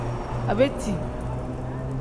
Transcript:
Abeti.